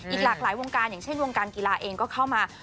อีกหลากหลายวงการอย่างเช่นวงการกีฬาเองก็เข้ามา